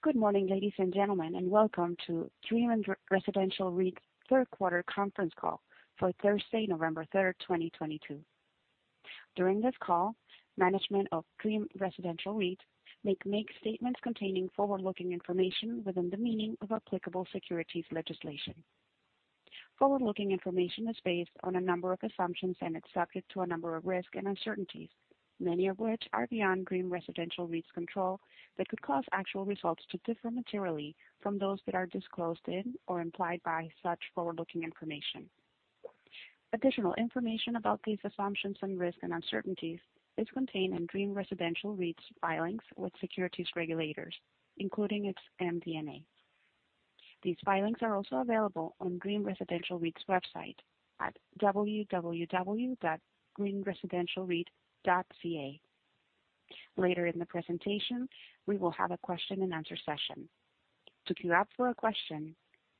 Good morning, ladies and gentlemen, and welcome to Dream Residential REIT third quarter conference call for Thursday, November 3, 2022. During this call, management of Dream Residential REIT may make statements containing forward-looking information within the meaning of applicable securities legislation. Forward-looking information is based on a number of assumptions and is subject to a number of risks and uncertainties, many of which are beyond Dream Residential REIT's control that could cause actual results to differ materially from those that are disclosed in or implied by such forward-looking information. Additional information about these assumptions and risks and uncertainties is contained in Dream Residential REIT's filings with securities regulators, including its MD&A. These filings are also available on Dream Residential REIT's website at www.dreamresidentialreit.ca. Later in the presentation, we will have a question-and-answer session. To queue up for a question,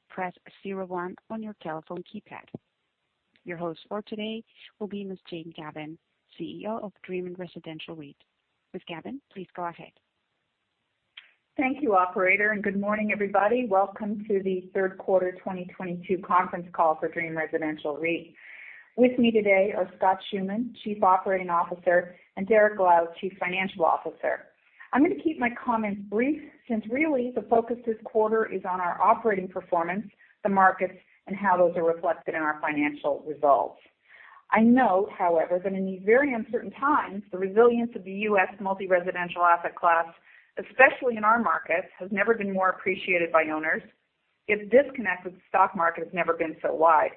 press zero one on your telephone keypad. Your host for today will be Ms. Jane Gavan, Chief Executive Officer of Dream Residential REIT. Ms. Gavan, please go ahead. Thank you, operator, and good morning, everybody. Welcome to the third quarter 2022 conference call for Dream Residential REIT. With me today are Scott Schoeman, Chief Operating Officer, and Derrick Lau, Chief Financial Officer. I'm going to keep my comments brief since really the focus this quarter is on our operating performance, the markets, and how those are reflected in our financial results. I know, however, that in these very uncertain times, the resilience of the U.S. multi-residential asset class, especially in our markets, has never been more appreciated by owners. Its disconnect with the stock market has never been so wide.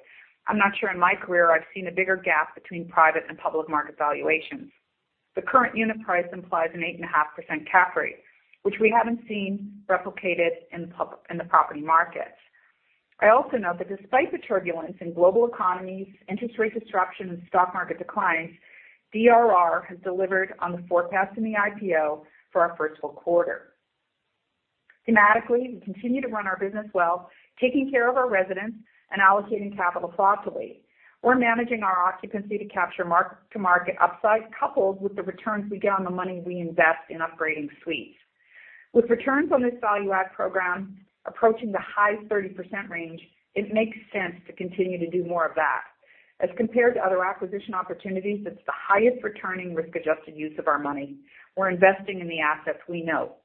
I'm not sure in my career I've seen a bigger gap between private and public market valuations. The current unit price implies an 8.5% cap rate, which we haven't seen replicated in the property market. I also know that despite the turbulence in global economies, interest rate disruptions, and stock market declines, DRR has delivered on the forecast in the IPO for our first full quarter. Thematically, we continue to run our business well, taking care of our residents and allocating capital thoughtfully. We're managing our occupancy to capture mark to market upside, coupled with the returns we get on the money we invest in upgrading suites. With returns on this value add program approaching the high 30% range, it makes sense to continue to do more of that. As compared to other acquisition opportunities, it's the highest returning risk-adjusted use of our money. We're investing in the assets we know.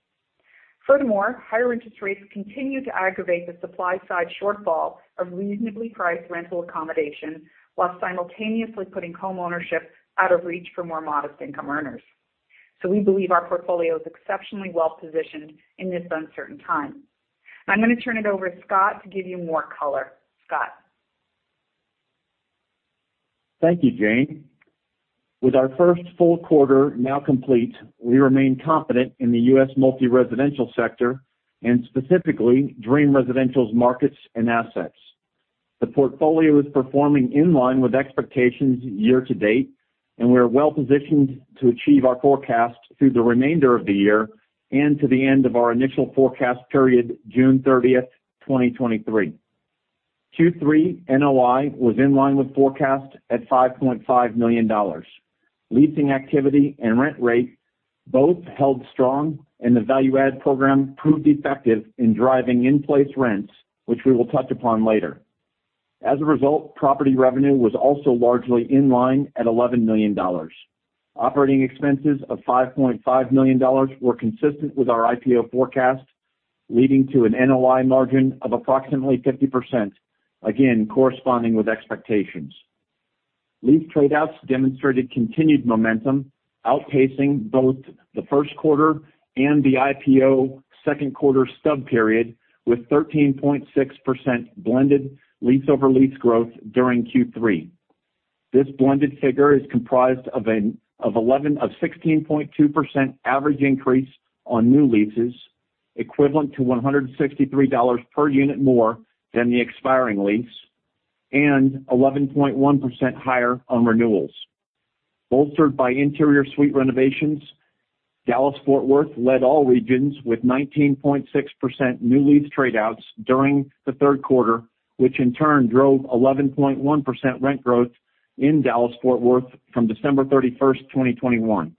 Furthermore, higher interest rates continue to aggravate the supply side shortfall of reasonably priced rental accommodation, while simultaneously putting homeownership out of reach for more modest income earners. We believe our portfolio is exceptionally well-positioned in this uncertain time. I'm going to turn it over to Scott to give you more color. Scott. Thank you, Jane. With our first full quarter now complete, we remain confident in the U.S. multi-residential sector and specifically Dream Residential's markets and assets. The portfolio is performing in line with expectations year-to-date, and we are well-positioned to achieve our forecast through the remainder of the year and to the end of our initial forecast period, June 30, 2023. Q3 NOI was in line with forecast at $5.5 million. Leasing activity and rent rate both held strong, and the value add program proved effective in driving in-place rents, which we will touch upon later. As a result, property revenue was also largely in line at $11 million. Operating expenses of $5.5 million were consistent with our IPO forecast, leading to an NOI margin of approximately 50%, again, corresponding with expectations. Lease tradeouts demonstrated continued momentum, outpacing both the first quarter and the IPO second quarter stub period with 13.6% blended lease-over-lease growth during Q3. This blended figure is comprised of 16.2% average increase on new leases, equivalent to $163 per unit more than the expiring lease and 11.1% higher on renewals. Bolstered by interior suite renovations, Dallas-Fort Worth led all regions with 19.6% new lease trade outs during the third quarter, which in turn drove 11.1% rent growth in Dallas-Fort Worth from December 31, 2021.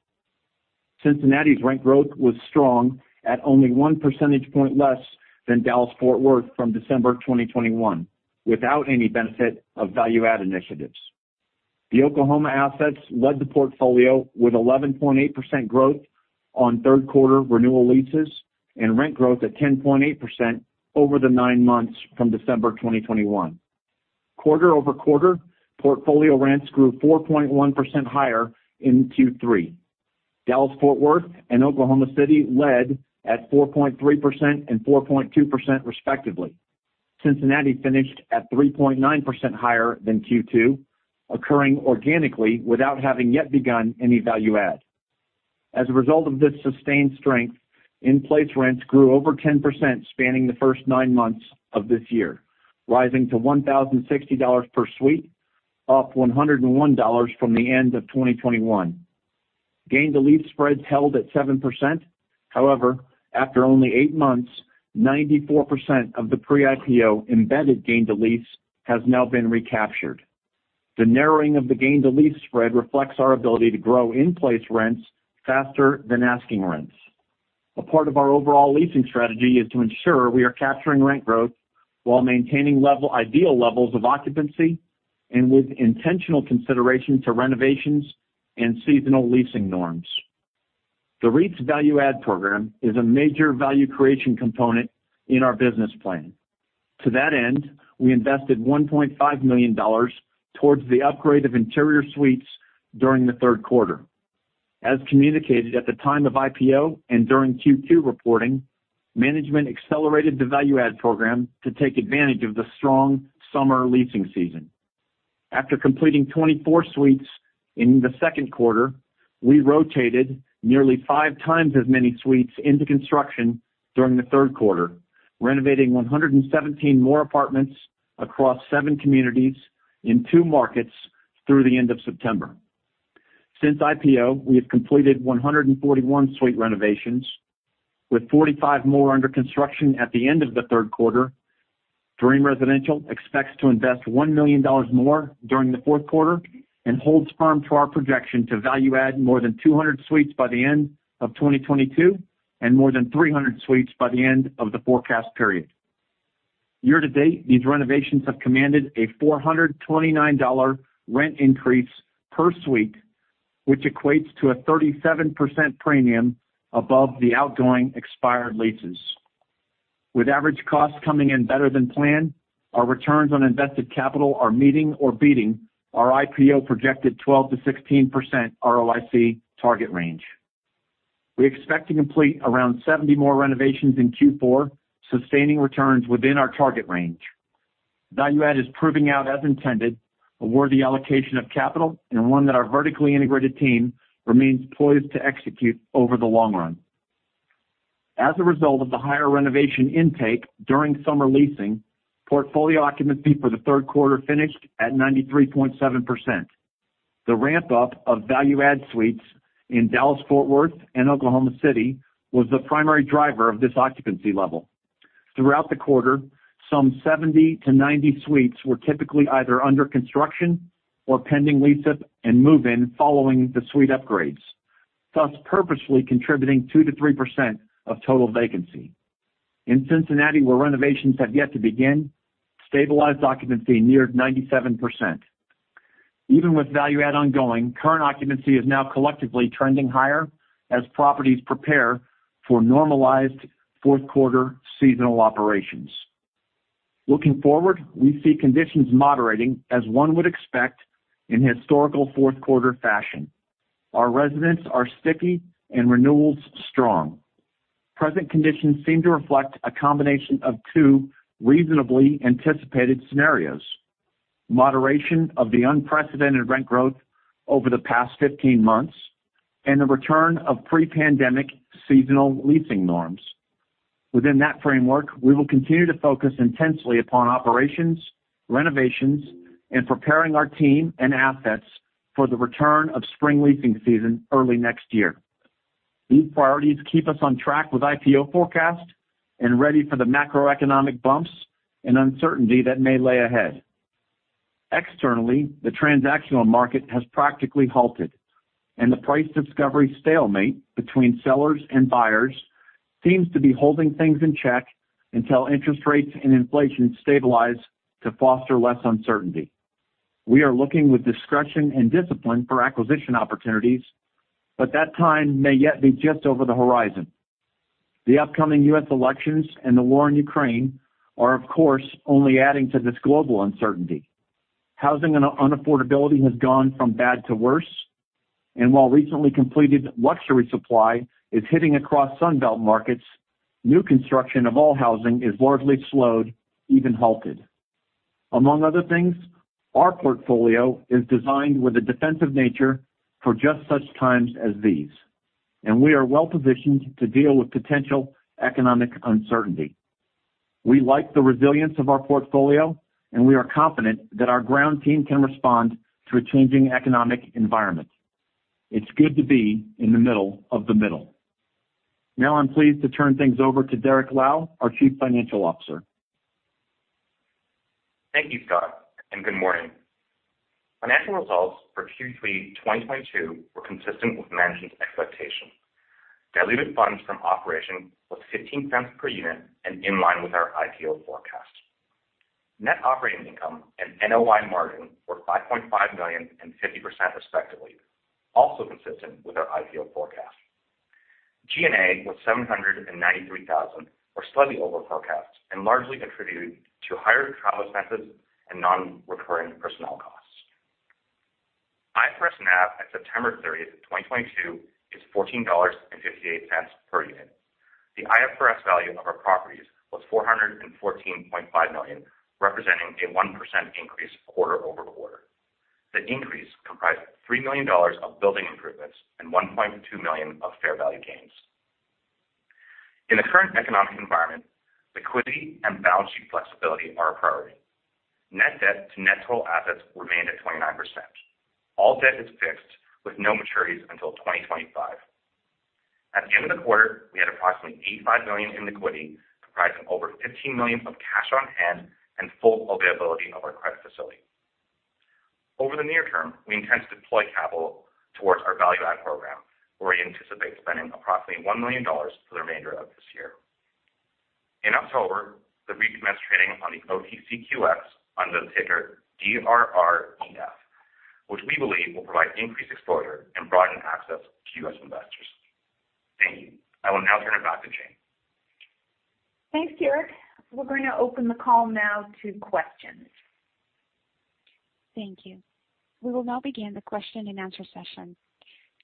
Cincinnati's rent growth was strong at only 1 percentage point less than Dallas-Fort Worth from December 2021 without any benefit of value add initiatives. The Oklahoma assets led the portfolio with 11.8% growth on third quarter renewal leases and rent growth at 10.8% over the nine months from December 2021. quarter-over-quarter, portfolio rents grew 4.1% higher in Q3. Dallas-Fort Worth and Oklahoma City led at 4.3% and 4.2% respectively. Cincinnati finished at 3.9% higher than Q2, occurring organically without having yet begun any value add. As a result of this sustained strength, in-place rents grew over 10% spanning the first nine months of this year, rising to $1,060 per suite, up $101 from the end of 2021. Gain to lease spreads held at 7%. However, after only eight months, 94% of the pre-IPO embedded gain to lease has now been recaptured. The narrowing of the gain to lease spread reflects our ability to grow in-place rents faster than asking rents. A part of our overall leasing strategy is to ensure we are capturing rent growth while maintaining ideal levels of occupancy and with intentional consideration to renovations and seasonal leasing norms. The REIT's value add program is a major value creation component in our business plan. To that end, we invested $1.5 million towards the upgrade of interior suites during the third quarter. As communicated at the time of IPO and during Q2 reporting, management accelerated the value add program to take advantage of the strong summer leasing season. After completing 24 suites in the second quarter, we rotated nearly five times as many suites into construction during the third quarter, renovating 117 more apartments across seven communities in two markets through the end of September. Since IPO, we have completed 141 suite renovations with 45 more under construction at the end of the third quarter. Dream Residential expects to invest $1 million more during the fourth quarter and holds firm to our projection to value add more than 200 suites by the end of 2022 and more than 300 suites by the end of the forecast period. Year-to-date, these renovations have commanded a $429 rent increase per suite, which equates to a 37% premium above the outgoing expired leases. With average costs coming in better than planned, our returns on invested capital are meeting or beating our IPO projected 12%-16% ROIC target range. We expect to complete around 70 more renovations in Q4, sustaining returns within our target range. Value add is proving out as intended, a worthy allocation of capital, and one that our vertically integrated team remains poised to execute over the long run. As a result of the higher renovation intake during summer leasing, portfolio occupancy for the third quarter finished at 93.7%. The ramp-up of value add suites in Dallas-Fort Worth and Oklahoma City was the primary driver of this occupancy level. Throughout the quarter, some 70-90 suites were typically either under construction or pending lease up and move-in following the suite upgrades, thus purposefully contributing 2%-3% of total vacancy. In Cincinnati, where renovations have yet to begin, stabilized occupancy neared 97%. Even with value add ongoing, current occupancy is now collectively trending higher as properties prepare for normalized fourth quarter seasonal operations. Looking forward, we see conditions moderating as one would expect in historical fourth quarter fashion. Our residents are sticky and renewals strong. Present conditions seem to reflect a combination of two reasonably anticipated scenarios. Moderation of the unprecedented rent growth over the past 15 months, and the return of pre-pandemic seasonal leasing norms. Within that framework, we will continue to focus intensely upon operations, renovations, and preparing our team and assets for the return of spring leasing season early next year. These priorities keep us on track with IPO forecast and ready for the macroeconomic bumps and uncertainty that may lie ahead. Externally, the transactional market has practically halted, and the price discovery stalemate between sellers and buyers seems to be holding things in check until interest rates and inflation stabilize to foster less uncertainty. We are looking with discretion and discipline for acquisition opportunities, but that time may yet be just over the horizon. The upcoming U.S. elections and the war in Ukraine are, of course, only adding to this global uncertainty. Housing and unaffordability has gone from bad to worse, and while recently completed luxury supply is hitting across Sun Belt markets, new construction of all housing is largely slowed, even halted. Among other things, our portfolio is designed with a defensive nature for just such times as these, and we are well-positioned to deal with potential economic uncertainty. We like the resilience of our portfolio, and we are confident that our ground team can respond to a changing economic environment. It's good to be in the middle of the middle. Now I'm pleased to turn things over to Derrick Lau, our Chief Financial Officer. Thank you, Scott, and good morning. Financial results for Q3 2022 were consistent with management's expectations. Diluted funds from operations was $0.15 per unit and in line with our IPO forecast. Net operating income and NOI margin were $5.5 million and 50% respectively, also consistent with our IPO forecast. G&A was $793,000, or slightly over forecast, and largely contributed to higher travel expenses and non-recurring personnel costs. IFRS NAV at September 30, 2022 is $14.58 per unit. The IFRS value of our properties was $414.5 million, representing a 1% increase quarter over quarter. The increase comprised $3 million of building improvements and $1.2 million of fair value gains. In the current economic environment, liquidity and balance sheet flexibility are a priority. Net debt to net total assets remained at 29%. All debt is fixed with no maturities until 2025. At the end of the quarter, we had approximately $85 million in liquidity, comprised of over $15 million of cash on hand and full availability of our credit facility. Over the near term, we intend to deploy capital towards our value add program, where we anticipate spending approximately $1 million for the remainder of this year. In October, we recommenced trading on the OTCQX under the ticker DRREF, which we believe will provide increased exposure and broaden access to U.S. investors. Thank you. I will now turn it back to Jane. Thanks, Derrick. We're going to open the call now to questions. Thank you. We will now begin the question and answer session.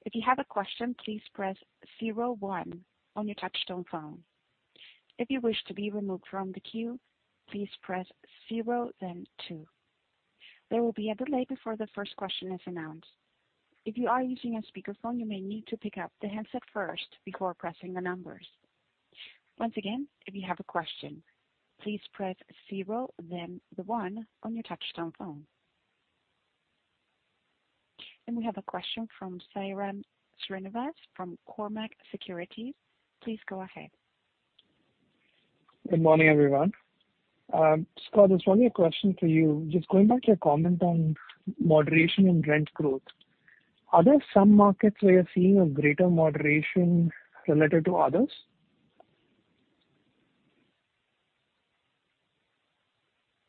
If you have a question, please press zero one on your touchtone phone. If you wish to be removed from the queue, please press zero then two. There will be a delay before the first question is announced. If you are using a speakerphone, you may need to pick up the handset first before pressing the numbers. Once again, if you have a question, please press zero, then the one on your touchtone phone. We have a question from Sairam Srinivas from Cormark Securities. Please go ahead. Good morning, everyone. Scott, this is only a question for you. Just going back to your comment on moderation in rent growth, are there some markets where you're seeing a greater moderation related to others?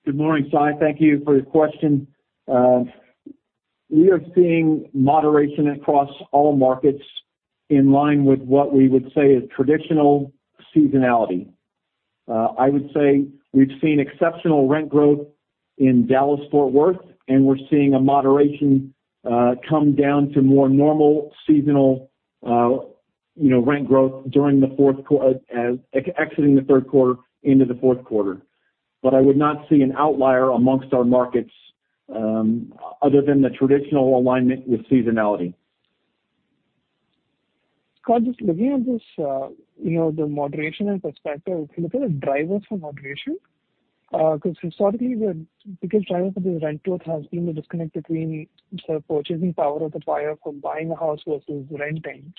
Good morning, Sai. Thank you for your question. We are seeing moderation across all markets in line with what we would say is traditional seasonality. I would say we've seen exceptional rent growth in Dallas-Fort Worth, and we're seeing a moderation come down to more normal seasonal, you know, rent growth exiting the third quarter into the fourth quarter. I would not see an outlier amongst our markets, other than the traditional alignment with seasonality. Scott, just looking at this, the moderation in perspective, looking at drivers for moderation, 'cause historically the biggest driver for the rent growth has been the disconnect between sort of purchasing power of the buyer from buying a house versus renting.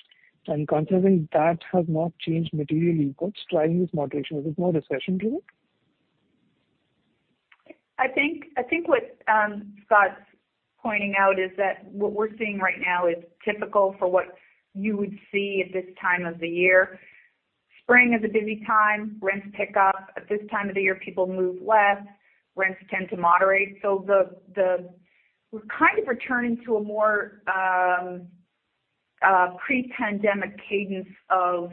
Considering that has not changed materially, what's driving this moderation? Is this more recession driven? I think what Scott's pointing out is that what we're seeing right now is typical for what you would see at this time of the year. Spring is a busy time. Rents pick up. At this time of the year, people move less, rents tend to moderate. So we're kind of returning to a more pre-pandemic cadence of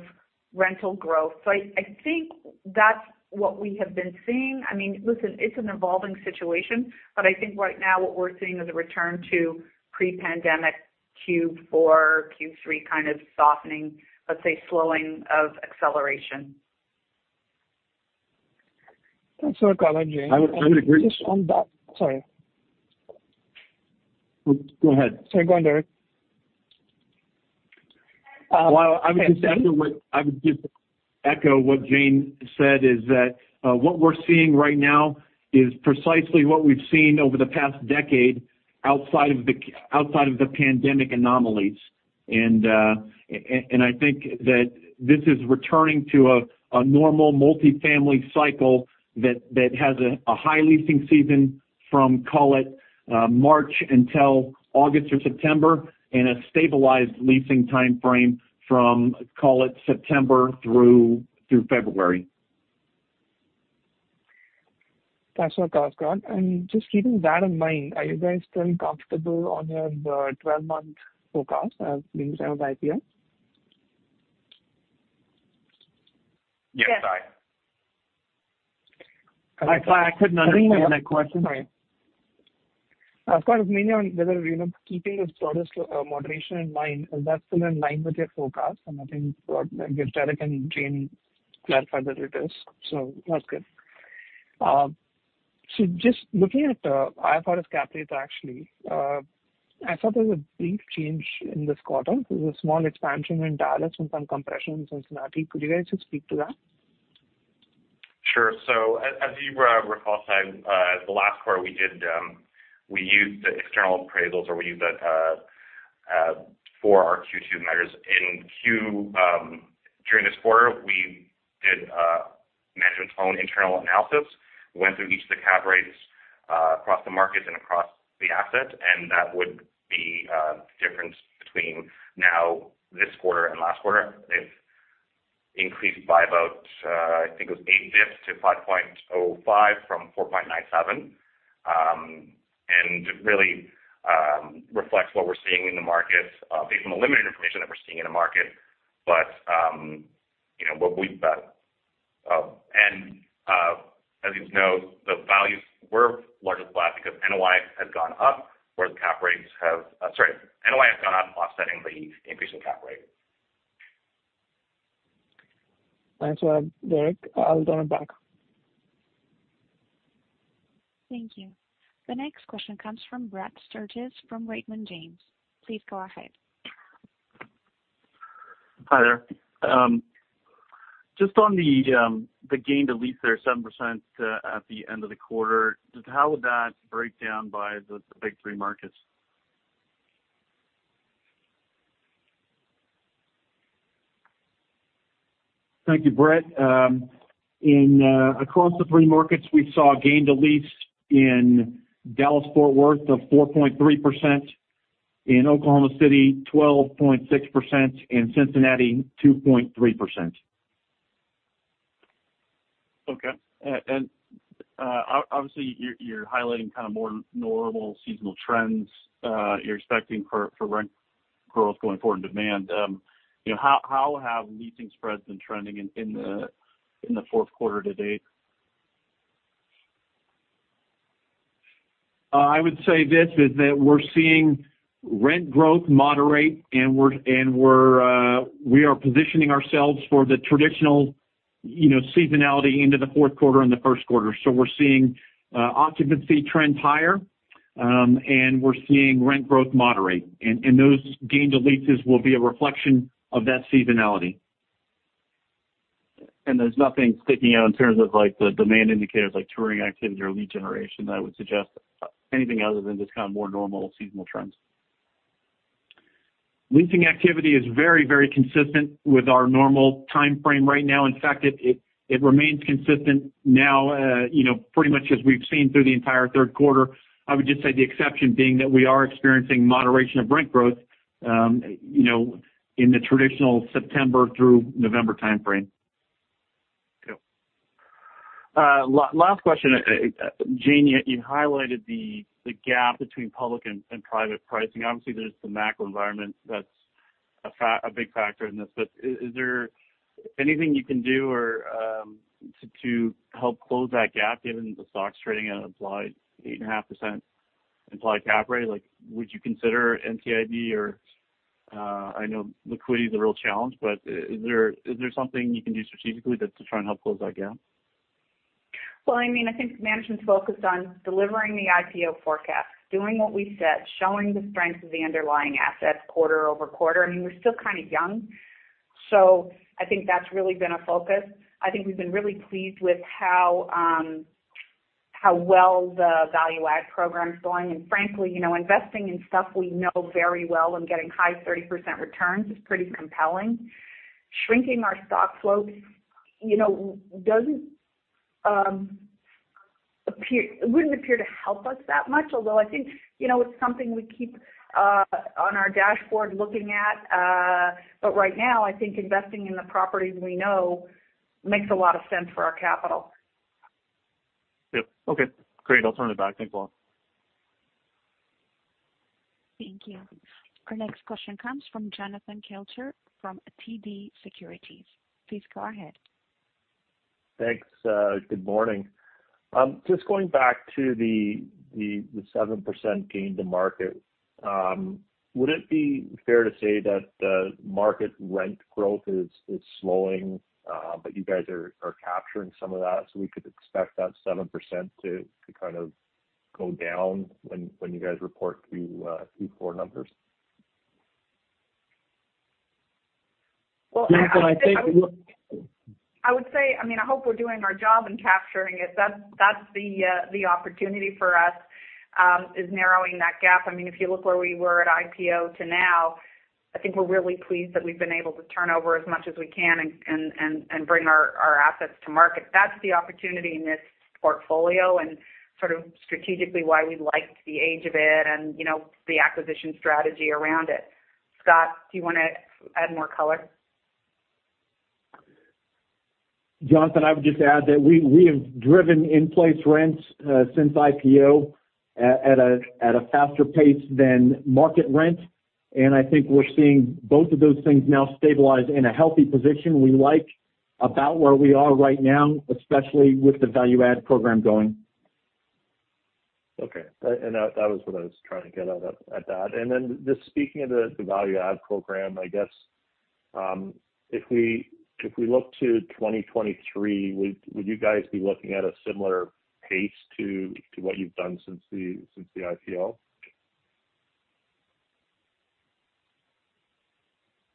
rental growth. So I think that's what we have been seeing. I mean, listen, it's an evolving situation, but I think right now what we're seeing is a return to pre-pandemic Q4, Q3 kind of softening, let's say, slowing of acceleration. Thanks for that clarity. I would agree. Just on that. Sorry. Go ahead. Sorry. Go on, Derrick. Okay. Well, I would just echo what Jane said, is that what we're seeing right now is precisely what we've seen over the past decade outside of the pandemic anomalies. I think that this is returning to a normal multifamily cycle that has a high leasing season from, call it, March until August or September, and a stabilized leasing timeframe from, call it, September through February. That's what I've got. Just keeping that in mind, are you guys feeling comfortable on your twelve-month forecast as being inside of the IPO? Yes, Sai. Yes. Sai, I said nothing in my question. Sorry. Of course, mainly on whether, you know, keeping this broader moderation in mind, is that still in line with your forecast? I think I guess Derrick and Jane clarified that it is, so that's good. Just looking at IFRS cap rates, actually, I thought there was a big change in this quarter. There was a small expansion in Dallas and some compression in Cincinnati. Could you guys just speak to that? Sure. As you recall, Sai, the last quarter we did, we used the external appraisals or we used the for our Q2 measures. In Q during this quarter, we did management's own internal analysis. We went through each of the cap rates across the markets and across the asset, and that would be the difference between now this quarter and last quarter. It increased by about, I think it was 8 basis points to 5.05 from 4.97. And really reflects what we're seeing in the markets based on the limited information that we're seeing in the market. But you know what we've got. And as you know, the values were largely flat because NOI has gone up, whereas cap rates have. Sorry, NOI has gone up, offsetting the increase in cap rate. Thanks for that, Derrick. I'll turn it back. Thank you. The next question comes from Brad Sturges from Raymond James. Please go ahead. Hi there. Just on the gain to lease there, 7% at the end of the quarter, just how would that break down by the big three markets? Thank you, Brad. Across the three markets, we saw a gain to lease in Dallas-Fort Worth of 4.3%, in Oklahoma City 12.6%, in Cincinnati 2.3%. Obviously, you're highlighting kind of more normal seasonal trends, you're expecting for rent growth going forward and demand. You know, how have leasing spreads been trending in the fourth quarter to date? I would say this is that we're seeing rent growth moderate, and we're positioning ourselves for the traditional, you know, seasonality into the fourth quarter and the first quarter. We're seeing occupancy trends higher, and we're seeing rent growth moderate. Those gain to leases will be a reflection of that seasonality. There's nothing sticking out in terms of like the demand indicators like touring activity or lead generation that would suggest anything other than just kind of more normal seasonal trends? Leasing activity is very consistent with our normal timeframe right now. In fact, it remains consistent now, you know, pretty much as we've seen through the entire third quarter. I would just say the exception being that we are experiencing moderation of rent growth, you know, in the traditional September through November timeframe. Yep. Last question. Jane, you highlighted the gap between public and private pricing. Obviously, there's the macro environment that's a big factor in this. Is there anything you can do or to help close that gap given the stock's trading at implied 8.5% implied cap rate? Like, would you consider NCIB or I know liquidity is a real challenge, but is there something you can do strategically that's to try and help close that gap? Well I mean I think management's focused on delivering the IPO forecast, doing what we said showing the strength of the underlying assets quarter-over-quarter. I mean, we're still kind of young, so I think that's really been a focus. I think we've been really pleased with how well the value add program's going. Frankly you know investing in stuff we know very well and getting high 30% returns is pretty compelling. Shrinking our stock float you know doesn't appear. It wouldn't appear to help us that much although I think you know it's something we keep on our dashboard looking at. Right now I think investing in the properties we know makes a lot of sense for our capital. Yep Okay Great I'll turn it back. Thanks a lot. Thank you. Our next question comes from Jonathan Kelcher from TD Securities. Please go ahead. Thanks Good morning. Just going back to the 7% gain to lease. Would it be fair to say that the market rent growth is slowing but you guys are capturing some of that so we could expect that 7% to kind of go down when you guys report Q4 numbers? Well I think. Jonathan I would look. I would say I mean I hope we're doing our job in capturing it. That's the opportunity for us is narrowing that gap. I mean if you look where we were at IPO to now, I think we're really pleased that we've been able to turn over as much as we can and bring our assets to market. That's the opportunity in this portfolio and sort of strategically why we liked the age of it and, you know, the acquisition strategy around it. Scott do you wanna add more color? Jonathan I would just add that we have driven in-place rents since IPO at a faster pace than market rent. I think we're seeing both of those things now stabilize in a healthy position. We like about where we are right now, especially with the value add program going. Okay. That was what I was trying to get at that. Just speaking of the value add program, I guess if we look to 2023, would you guys be looking at a similar pace to what you've done since the IPO?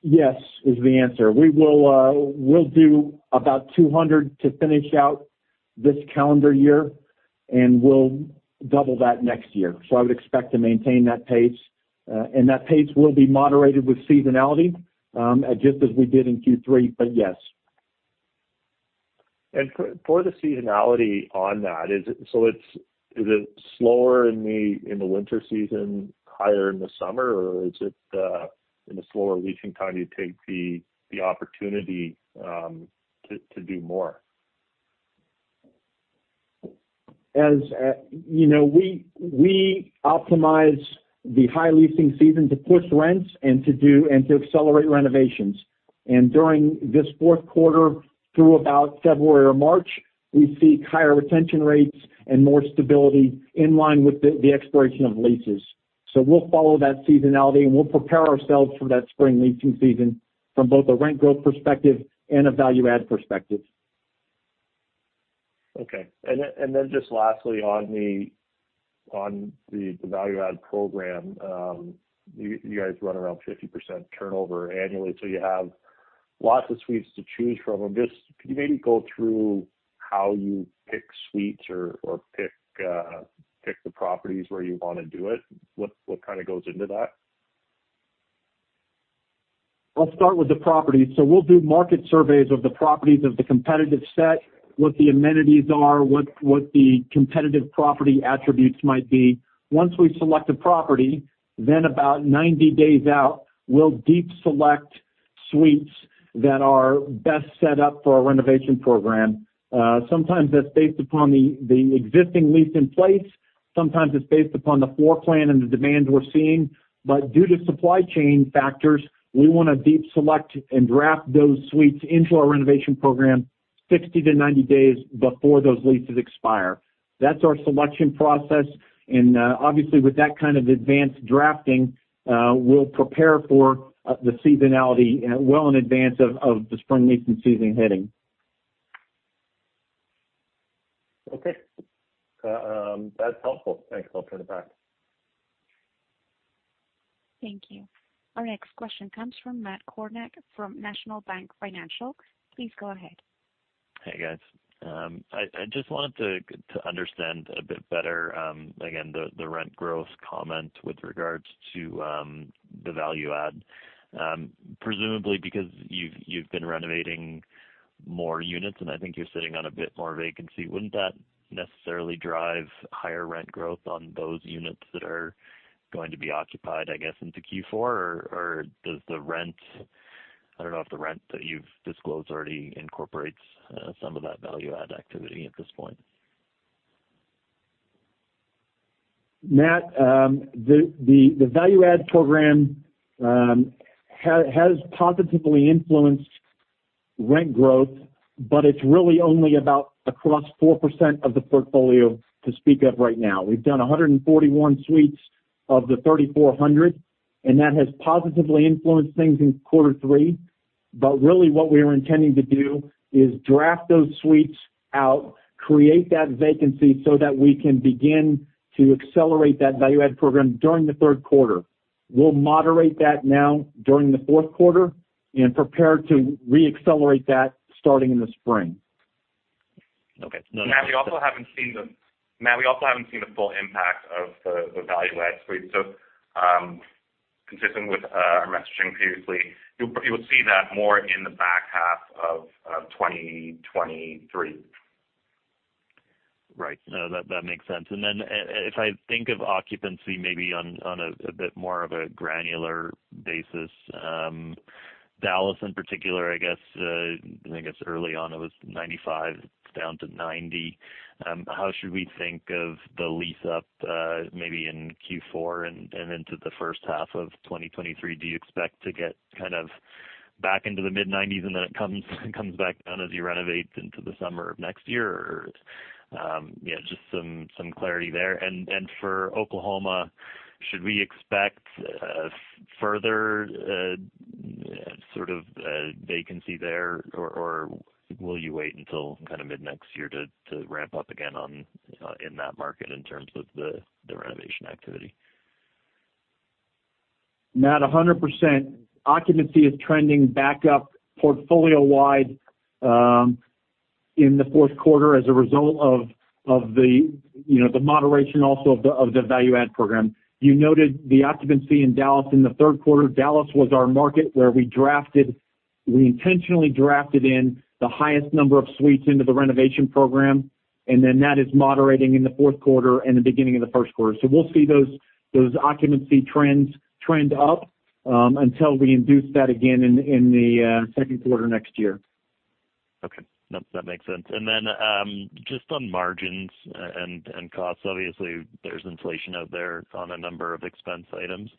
Yes is the answer. We will do about 200 to finish out this calendar year, and we'll double that next year. I would expect to maintain that pace. That pace will be moderated with seasonality just as we did in Q3, but yes. For the seasonality on that is it slower in the winter season higher in the summer or is it in a slower leasing time, you take the opportunity to do more? As you know, we optimize the high leasing season to push rents and to accelerate renovations. During this fourth quarter through about February or March, we see higher retention rates and more stability in line with the expiration of leases. We'll follow that seasonality, and we'll prepare ourselves for that spring leasing season from both a rent growth perspective and a value add perspective. Okay just lastly on the value-add program, you guys run around 50% turnover annually, so you have lots of suites to choose from. Could you maybe go through how you pick suites or pick the properties where you wanna do it? What kind of goes into that? I'll start with the properties. We'll do market surveys of the properties of the competitive set, what the amenities are what the competitive property attributes might be. Once we select a property then about 90 days out we'll deep select suites that are best set up for our renovation program. Sometimes that's based upon the existing lease in place sometimes it's based upon the floor plan and the demand we're seeing. Due to supply chain factors, we wanna deep select and draft those suites into our renovation program 60-90 days before those leases expire. That's our selection process, and obviously with that kind of advanced drafting, we'll prepare for the seasonality well in advance of the spring leasing season hitting. Okay That's helpful Thanks. I'll turn it back. Thank you. Our next question comes from Matt Kornack from National Bank Financial. Please go ahead. Hey, guys. I just wanted to understand a bit better, again, the rent growth comment with regards to the value add. Presumably because you've been renovating more units, and I think you're sitting on a bit more vacancy, wouldn't that necessarily drive higher rent growth on those units that are going to be occupied, I guess, into Q4? I don't know if the rent that you've disclosed already incorporates some of that value add activity at this point. Matt, the value add program has positively influenced rent growth, but it's really only about 4% of the portfolio to speak of right now. We've done 141 suites of the 3,400, and that has positively influenced things in quarter three. Really what we are intending to do is draft those suites out, create that vacancy so that we can begin to accelerate that value add program during the third quarter. We'll moderate that now during the fourth quarter and prepare to re-accelerate that starting in the spring. Okay. Matt we also haven't seen the full impact of the value add suite. Consistent with our messaging previously you'll see that more in the back half of 2023. Right No that makes sense. If I think of occupancy maybe on a bit more of a granular basis, Dallas in particular I guess I think it's early on it was 95 down to 90. How should we think of the lease up maybe in Q4 and into the first half of 2023? Do you expect to get kind of back into the mid-90s and then it comes back down as you renovate into the summer of next year? Or yeah, just some clarity there. For Oklahoma, should we expect further sort of vacancy there or will you wait until kind of mid next year to ramp up again on in that market in terms of the renovation activity? Matt, 100% occupancy is trending back up portfolio-wide in the fourth quarter as a result of, you know, the moderation also of the value add program. You noted the occupancy in Dallas in the third quarter. Dallas was our market where we intentionally drafted in the highest number of suites into the renovation program, and then that is moderating in the fourth quarter and the beginning of the first quarter. We'll see those occupancy trends trend up until we induce that again in the second quarter next year. Okay. No, that makes sense. Then just on margins and costs, obviously there's inflation out there on a number of expense items.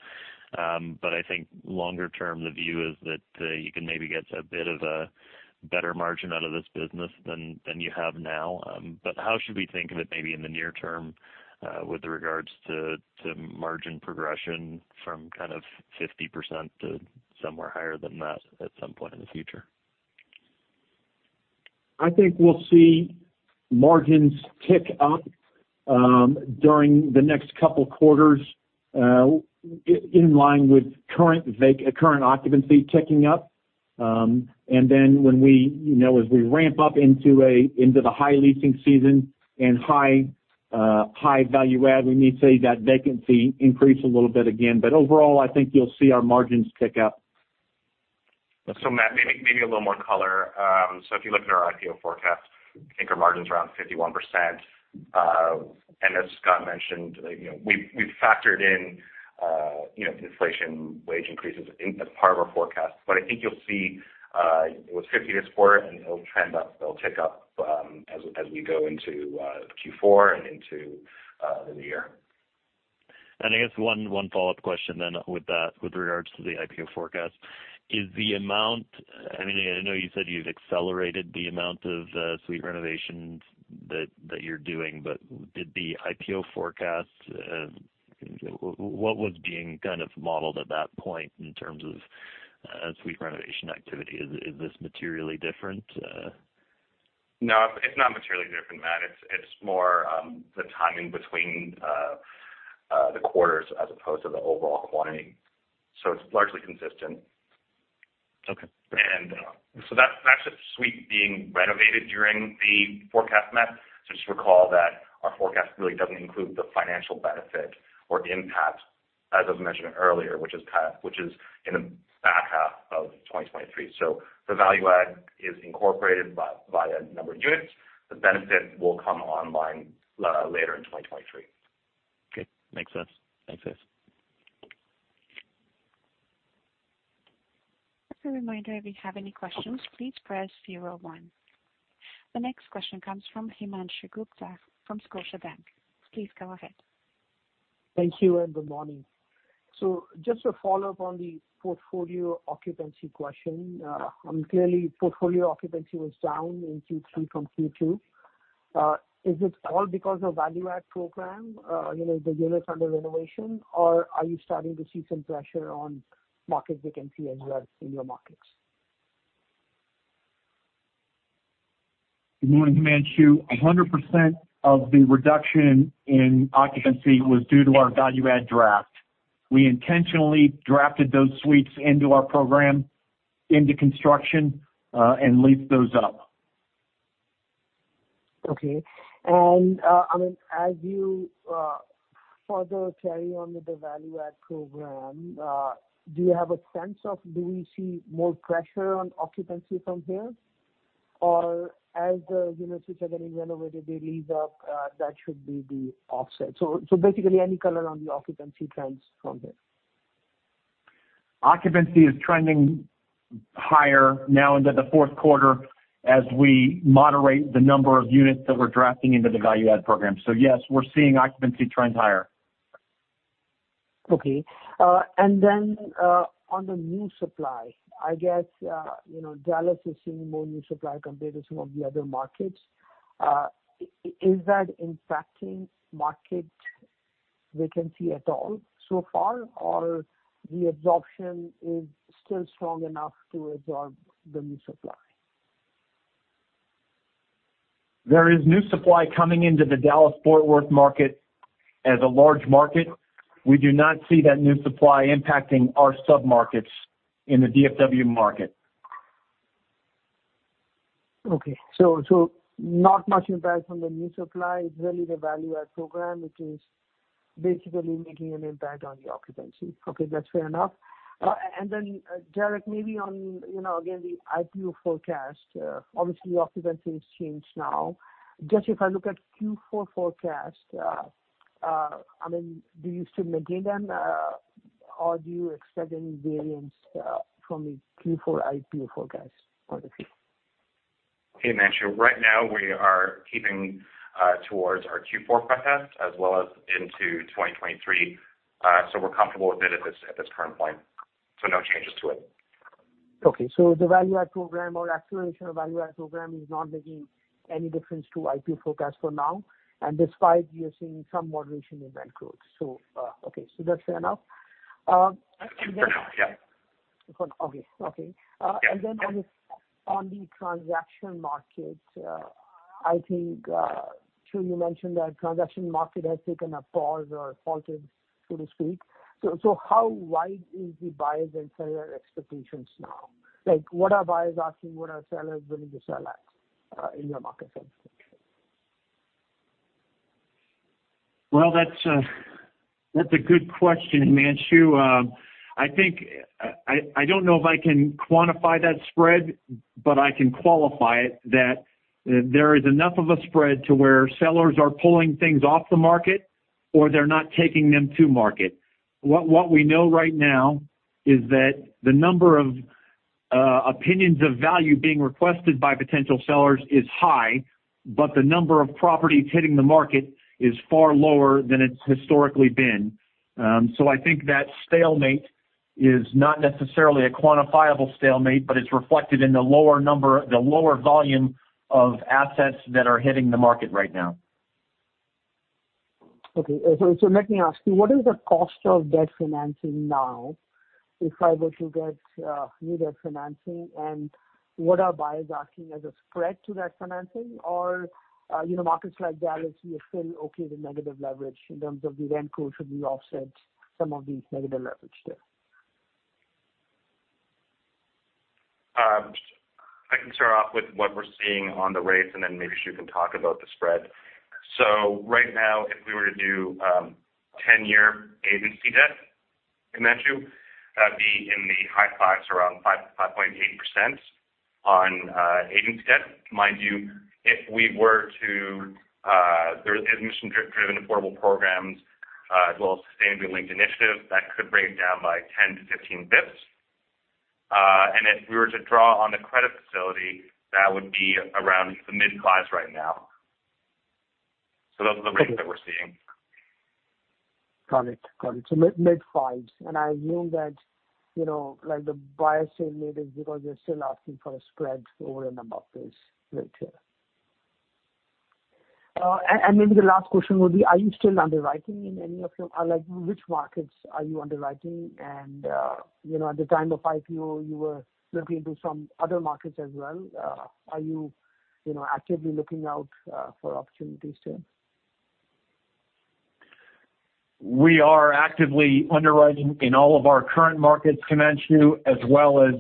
I think longer term, the view is that you can maybe get a bit of a better margin out of this business than you have now. How should we think of it maybe in the near term, with regards to margin progression from kind of 50% to somewhere higher than that at some point in the future? I think we'll see margins tick up during the next couple quarters in line with current occupancy ticking up. Then when we, you know, as we ramp up into the high leasing season and high value add, we may see that vacancy increase a little bit again. Overall, I think you'll see our margins tick up. Matt, maybe a little more color. If you look at our IPO forecast, I think our margin's around 51%. As Scott mentioned, you know, we've factored in, you know, inflation wage increases in as part of our forecast. I think you'll see, it was 50% this quarter, and it'll trend up, it'll tick up, as we go into Q4 and into the new year. I guess one follow-up question then with that, with regards to the IPO forecast. Is the amount I mean, I know you said you've accelerated the amount of suite renovations that you're doing, but did the IPO forecast. What was being kind of modeled at that point in terms of suite renovation activity? Is this materially different? No, it's not materially different, Matt. It's more the timing between the quarters as opposed to the overall quantity. It's largely consistent. Okay. That's just suite being renovated during the forecast, Matt. Just recall that our forecast really doesn't include the financial benefit or impact as I mentioned earlier, which is in the back half of 2023. The value add is incorporated by a number of units. The benefit will come online later in 2023. Okay Makes sense Thank you. Just a reminder, if you have any questions, please press zero one. The next question comes from Himanshu Gupta from Scotiabank. Please go ahead. Thank you and good morning. Just a follow-up on the portfolio occupancy question. Clearly, portfolio occupancy was down in Q3 from Q2. Is it all because of value add program, you know the units under renovation? Or are you starting to see some pressure on market vacancy as well in your markets? Good morning, Himanshu. 100% of the reduction in occupancy was due to our value add draft. We intentionally drafted those suites into our program into construction, and leased those up. Okay. I mean, as you further carry on with the value add program, do you have a sense of do we see more pressure on occupancy from here? Or as the you know suites are getting renovated they lease up that should be the offset. Basically any color on the occupancy trends from there. Occupancy is trending higher now into the fourth quarter as we moderate the number of units that we're drafting into the value add program. Yes, we're seeing occupancy trends higher. Okay On the new supply I guess you know Dallas is seeing more new supply compared to some of the other markets. Is that impacting market vacancy at all so far? The absorption is still strong enough to absorb the new supply? There is new supply coming into the Dallas-Fort Worth market. As a large market we do not see that new supply impacting our submarkets in the DFW market. Okay. Not much impact from the new supply. It's really the value add program which is basically making an impact on the occupancy. Okay, that's fair enough. Derrick maybe on you know again the IPO forecast. Obviously occupancy has changed now. Just if I look at Q4 forecast I mean do you still maintain them? Or do you expect any variance from the Q4 IPO forecast for the future? Hey Himanshu Right now we are keeping to our Q4 forecast as well as into 2023. We're comfortable with it at this current point so no changes to it. Okay. The value add program or acceleration of value add program is not making any difference to IPO forecast for now, and despite your seeing some moderation in rent growth. Okay so that's fair enough. For now, yeah. Okay Okay. Yeah. On the transaction markets I think Scott you mentioned that transaction market has taken a pause or faltered so to speak. How wide is the buyers and seller expectations now? Like what are buyers asking? What are sellers willing to sell at in your marketing? Well that's a good question Himanshu. I think I don't know if I can quantify that spread, but I can qualify it that there is enough of a spread to where sellers are pulling things off the market, or they're not taking them to market. What we know right now is that the number of opinions of value being requested by potential sellers is high but the number of properties hitting the market is far lower than it's historically been. I think that stalemate is not necessarily a quantifiable stalemate, but it's reflected in the lower number the lower volume of assets that are hitting the market right now. Okay. Let me ask you what is the cost of debt financing now if I were to get new debt financing? What are buyers asking as a spread to that financing? You know markets like Dallas you're still okay with negative leverage in terms of the rent growth should be offset some of these negative leverage there. I can start off with what we're seeing on the rates, and then maybe Scott can talk about the spread. Right now, if we were to do 10-year agency debt Himanshu, that'd be in the high 5s, around 5.58% on agency debt. Mind you, there is mission-driven affordable programs, as well as sustainability-linked initiatives that could bring it down by 10-15 basis points. If we were to draw on the credit facility, that would be around the mid-5s right now. Those are the rates that we're seeing. Got it. Mid fives. I assume that, you know, like the buyers are natives because they're still asking for a spread over and above this rate here. Maybe the last question would be, like which markets are you underwriting? You know at the time of IPO you were looking into some other markets as well. Are you know, actively looking out for opportunities there? We are actively underwriting in all of our current markets, Himanshu, as well as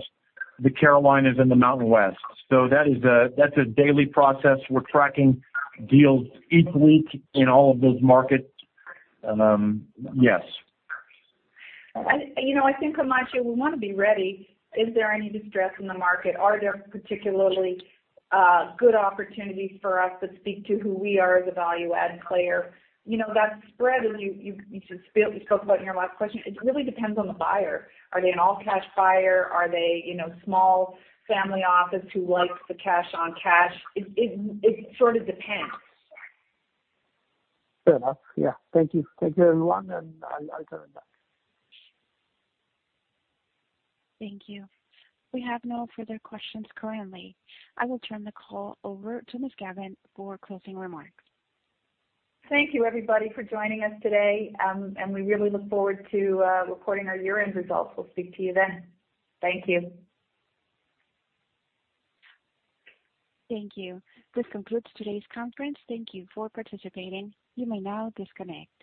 the Carolinas and the Mountain West. That's a daily process. We're tracking deals each week in all of those markets. Yes. You know I think, Himanshu, we wanna be ready. Is there any distress in the market? Are there particularly good opportunities for us that speak to who we are as a value add player? You know, that spread that you just spoke about in your last question, it really depends on the buyer. Are they an all cash buyer? Are they you know small family office who likes the cash on cash? It sort of depends. Fair enough. Yeah. Thank you. Take care, everyone, and I'll turn it back. Thank you. We have no further questions currently. I will turn the call over to Ms. Gavan for closing remarks. Thank you, everybody, for joining us today. We really look forward to reporting our year-end results. We'll speak to you then. Thank you. Thank you. This concludes today's conference. Thank you for participating. You may now disconnect.